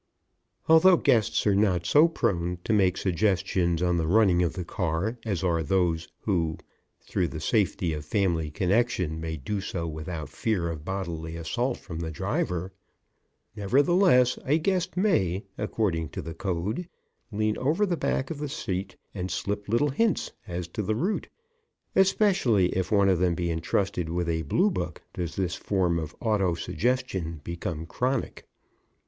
Although guests are not so prone to make suggestions on the running of the car as are those who, through the safety of family connection, may do so without fear of bodily assault from the driver, nevertheless, a guest may, according to the code, lean over the back of the seat and slip little hints as to the route. Especially if one of them be entrusted with a Blue Book does this form of auto suggestion become chronic.